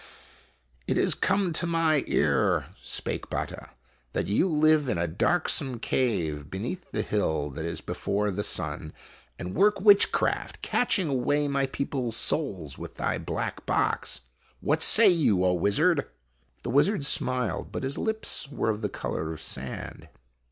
" It has come to my ear," spake Batta, "that you live in a dark some cave beneath the hill that is before the sun, and work witch craft, catching away my people's souls with thy black box. What say you, O Wizard ?" The wizard smiled, but his lips were of the color of sand.